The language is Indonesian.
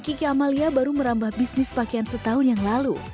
kiki amalia baru merambah bisnis pakaian setahun yang lalu